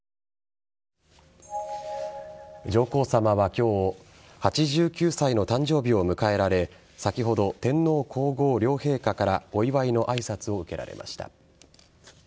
上皇さまは、今日８９歳の誕生日を迎えられ先ほど、天皇皇后両陛下からお祝いの挨拶を受けられました。